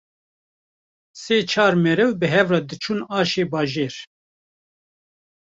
sê-çar meriv bi hevra diçûn aşê bajêr